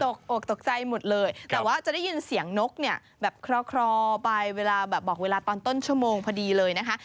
อกตกใจหมดเลยแต่ว่าจะได้ยินเสียงนกเนี่ยแบบคลอไปเวลาแบบบอกเวลาตอนต้นชั่วโมงพอดีเลยนะคะ